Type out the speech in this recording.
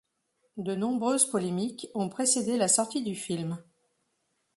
De nombreuses polémiques ont précédé la sortie du film.